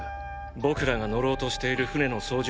僕らが乗ろうとしてる船の操縦